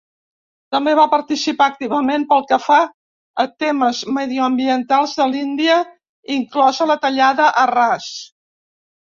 També va participar activament pel que fa a temes mediambientals de l'Índia, inclosa la tallada a ras.